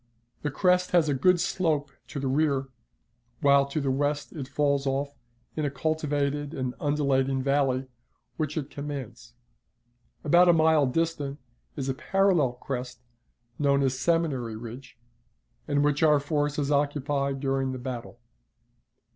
The crest has a good slope to the rear, while to the west it falls off in a cultivated and undulating valley, which it commands. About a mile distant is a parallel crest, known as Seminary Ridge, and which our forces occupied during the battle.